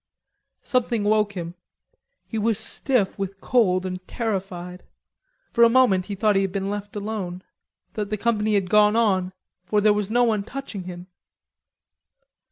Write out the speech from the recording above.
Something woke him. He was stiff with cold and terrified. For a moment he thought he had been left alone, that the company had gone on, for there was no one touching him.